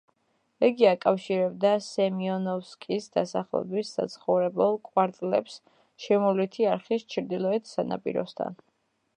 იგი აკავშირებდა სემიონოვსკის დასახლების საცხოვრებელ კვარტლებს შემოვლითი არხის ჩრდილოეთ სანაპიროსთან.